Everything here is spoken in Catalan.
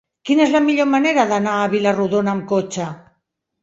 Quina és la millor manera d'anar a Vila-rodona amb cotxe?